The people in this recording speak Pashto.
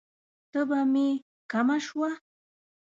تبه می کمه شوه؟